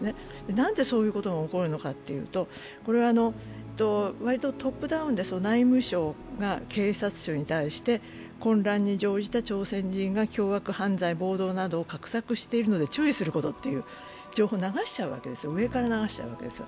何でそういうことが起こるのかというと、割とトップダウンで内務省が警察省に対して混乱に乗じた朝鮮人が凶悪犯罪、暴動を画策しているので注意することという情報を上から流しちゃうわけですよ。